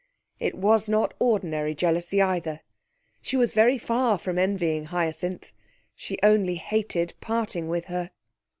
It was not ordinary jealousy either. She was very far from envying Hyacinth. She only hated parting with her.